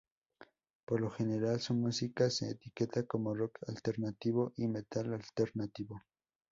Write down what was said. Por lo general, su música se etiqueta como rock alternativo y metal alternativo.